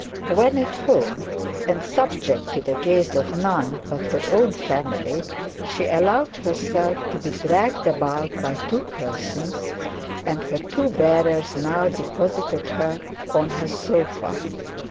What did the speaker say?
When at home, and subject to the gaze of none but her own family, she allowed herself to be dragged about by two persons, and her two bearers now deposited her on the sofa.